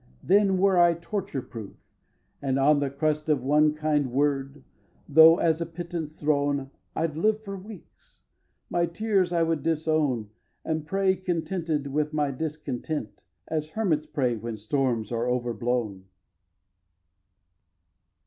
Then were I torture proof, and on the crust Of one kind word, though as a pittance thrown, I'd live for weeks! My tears I would disown And pray, contented with my discontent, As hermits pray when storms are overblown.